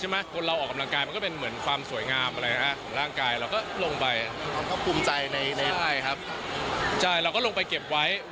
มันจะได้